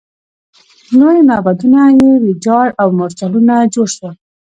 لوی معبدونه یې ویجاړ او مورچلونه جوړ شول.